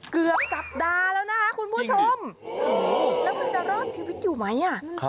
เกือบสัปดาห์แล้วนะคะคุณผู้ชมแล้วคุณจะรอดชีวิตอยู่ไหมอ่ะ